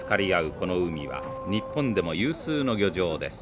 この海は日本でも有数の漁場です。